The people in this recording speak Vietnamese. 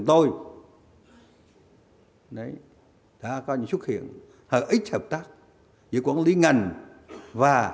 tôi đã có những xuất hiện hợp ích hợp tác giữa quản lý ngành và tập đoàn ở giữa ủy ban của chúng ta